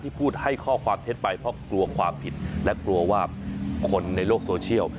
พูดให้ข้อความเท็จไปเพราะกลัวความผิดและกลัวว่าคนในโลกโซเชียล